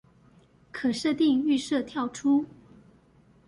可設定預設跳出